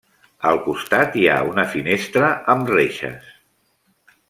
Al costat hi ha una finestra amb reixes.